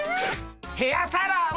ヘアサロン！